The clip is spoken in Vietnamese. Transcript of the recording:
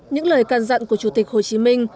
những lời can dặn của chủ tịch hồ chí minh